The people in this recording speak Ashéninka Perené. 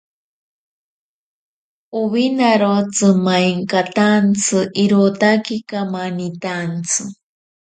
Owinaro tsimainkatantsi irotaki kamanintantsi.